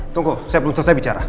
tunggu kok saya belum selesai bicara